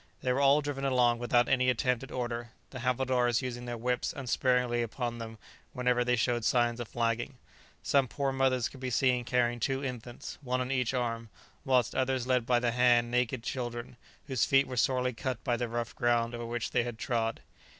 They were all driven along without any attempt at order, the havildars using their whips unsparingly upon them whenever they showed signs of flagging. Some poor mothers could be seen carrying two infants, one on each arm, whilst others led by the hand naked children, whose feet were sorely cut by the rough ground over which they had trod.